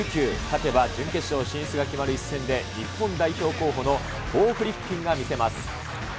勝てば準決勝進出が決まる一戦で日本代表候補のコー・フリッピンが見せます。